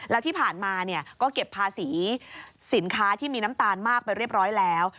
แล้วที่ผ่านมาก็เก็บภาษีสินค้าที่มีน้ำตาลมากไปเรียบร้อยแล้ว